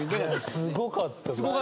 すごかったですよ。